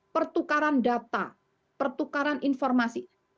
pertukaran data pertukaran informasi